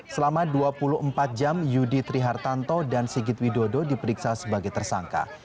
selama dua puluh empat jam yudi trihartanto dan sigit widodo diperiksa sebagai tersangka